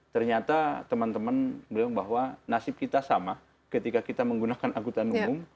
ternyata teman teman bilang bahwa nasib kita sama ketika kita menggunakan angkutan umum